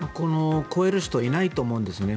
超える人はいないと思うんですよね。